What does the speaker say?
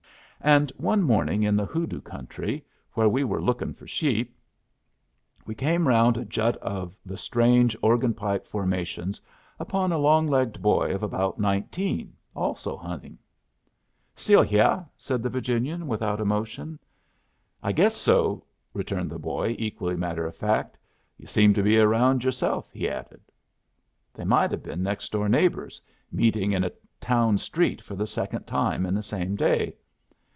And one morning in the Hoodoo country, where we were looking for sheep, we came round a jut of the strange, organ pipe formation upon a longlegged boy of about nineteen, also hunting. "Still hyeh?" said the Virginian, without emotion. "I guess so," returned the boy, equally matter of fact. "Yu' seem to be around yourself," he added. They might have been next door neighbors, meeting in a town street for the second time in the same day.